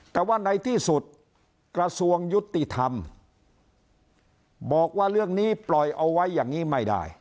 แต่ว่าในที่สุดกระทรวงยุติธรรมบอกว่าเรื่องนี้ปล่อยเอาไว้อย่างนี้ไม่ได้